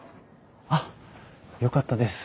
あっよかったです。